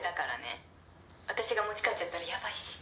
私が持ち帰っちゃったらヤバいし。